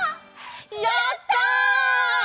やった！